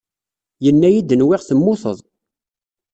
Yenna-iyi-d nwiɣ temmuteḍ.